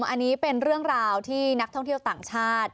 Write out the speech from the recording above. อันนี้เป็นเรื่องราวที่นักท่องเที่ยวต่างชาติ